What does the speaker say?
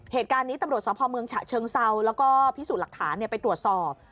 เหตุการณ์นี้ตำรวจสพเมืองฉะเชิงเซาแล้วก็พิสูจน์หลักฐานไปตรวจสอบ